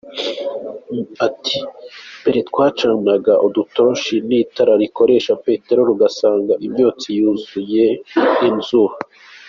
Ati “Mbere twacanaga udutoroshi n’itara rikoresha petelori ugasanga imyotsi yuzuye inzu.